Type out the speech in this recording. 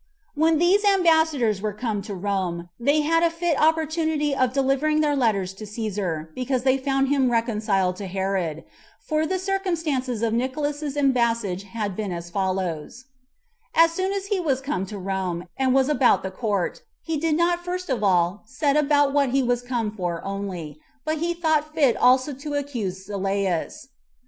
8. When these ambassadors were come to Rome, they had a fit opportunity of delivering their letters to Cæsar, because they found him reconciled to Herod; for the circumstances of Nicolaus's embassage had been as follows: As soon as he was come to Rome, and was about the court, he did not first of all set about what he was come for only, but he thought fit also to accuse Sylleus.